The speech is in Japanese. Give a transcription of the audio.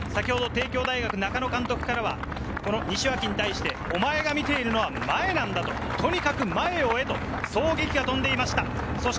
帝京大学、中野監督からは西脇に対してお前が見ているのは前なんだ、とにかく前を追えとげきが飛んでいました。